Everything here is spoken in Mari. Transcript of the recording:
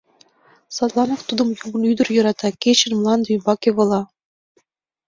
Садланак тудым юмын ӱдыр йӧрата, кечын мланде ӱмбаке вола...